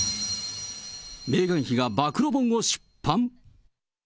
メーガン妃が暴露本を出版？